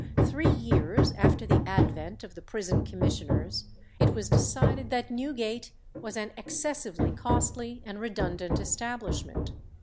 Three years after the advent of the prison commissioners, it was decided that Newgate was an excessively costly and redundant establishment.